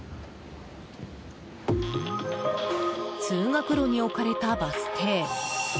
通学路に置かれたバス停。